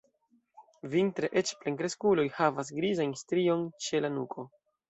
Vintre eĉ plenkreskuloj havas grizajn strion ĉe la nuko.